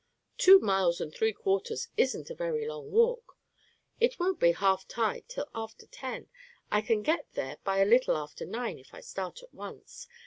Two miles and three quarters isn't a very long walk. It won't be half tide till after ten. I can get there by a little after nine if I start at once.